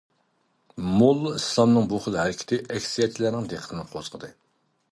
موللا ئىسلامنىڭ بۇ خىل ھەرىكىتى ئەكسىيەتچىلەرنىڭ دىققىتىنى قوزغىدى.